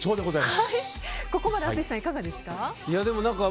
ここまで淳さんいかがですか？